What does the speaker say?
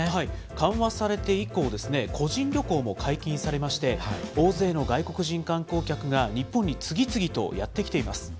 緩和されて以降、個人旅行も解禁されまして、大勢の外国人観光客が、日本に次々とやって来ています。